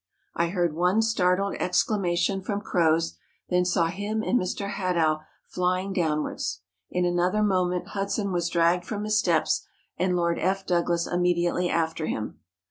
I heard one startled exclama¬ tion from Croz, then saw him and Mr. Hadow flying downwards ; in another moment Hudson was dragged from his steps, and Lord F. Douglas immediately after him.